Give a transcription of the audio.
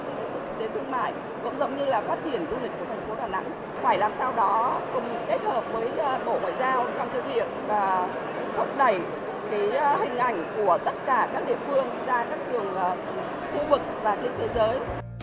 phải làm sao đó cùng kết hợp với bộ ngoại giao trong thương hiệp và thúc đẩy hình ảnh của tất cả các địa phương ra các thường khu vực và trên thế giới